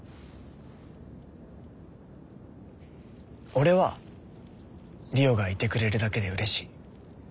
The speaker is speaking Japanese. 俺は理央がいてくれるだけでうれしい。